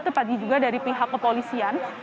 tepatnya juga dari pihak kepolisian